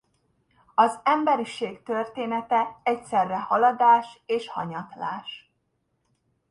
Az emberiség története egyszerre haladás és hanyatlás.